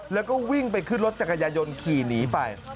แล้วก็วิ่งไปขึ้นรถจักรยายนต์ขี่หนีไป